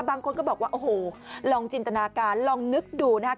บางคนก็บอกว่าโอ้โหลองจินตนาการลองนึกดูนะครับ